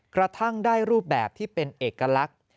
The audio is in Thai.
กระทั่งได้รูปแบบที่เป็นเอกลักษณ์